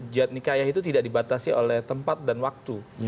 jihad nikahyah itu tidak dibatasi oleh tempat dan waktu